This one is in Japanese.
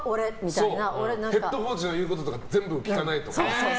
ヘッドコーチの言うこと全部聞かないとか。